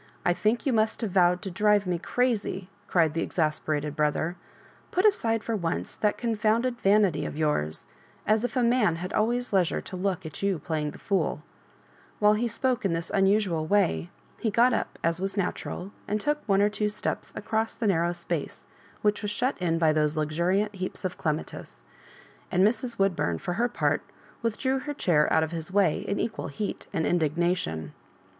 " I think you must have vowed to drive me crazy," cried the exasperated brother. "Put aside for once that confounded vanity of yours— as if a man had always leisure to look at you playing the fool" While he spoke in this unusual way, he got up, as was natural, and took one or two steps across the narrow space which was shut in by those luxuriant heaps of clematis ; and Mrs. Woodbum, for her part> withdrew /her chair out of his way in equal heat and indignation.